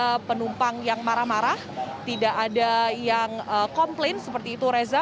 ada penumpang yang marah marah tidak ada yang komplain seperti itu reza